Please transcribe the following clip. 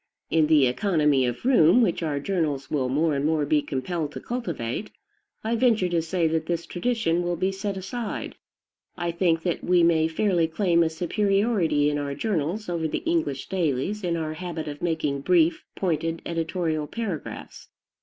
In the economy of room, which our journals will more and more be compelled to cultivate, I venture to say that this tradition will be set aside. I think that we may fairly claim a superiority in our journals over the English dailies in our habit of making brief, pointed editorial paragraphs.